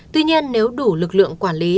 tuy nhiên nếu đủ lực lượng quản lý